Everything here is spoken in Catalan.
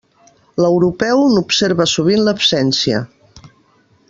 L'europeu n'observa sovint l'absència.